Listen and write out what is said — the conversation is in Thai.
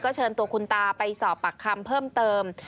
เชิญตัวคุณตาไปสอบปากคำเพิ่มเติม